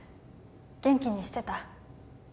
元気にしてた？